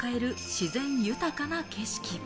自然豊かな景色。